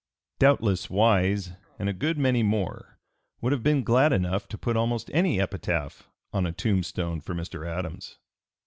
'" Doubtless Wise and a good many more would have been glad enough to put almost any epitaph on a tombstone for Mr. Adams.